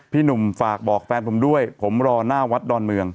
พี่หนุ่มฝากบอกแฟนผมด้วยผมรอหน้าวัดดอนเมือง